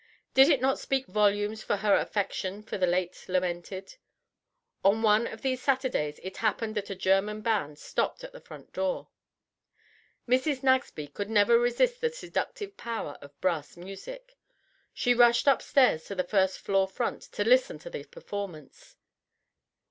Did it not speak volumes for her affection for the late lamented? On one of these Saturdays it happened that a German band stopped at the front door. Mrs. Nagsby could never resist the seductive power of brass music. She rushed upstairs to the first floor front to listen to the performance.